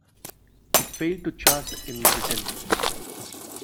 It failed to chart in Britain.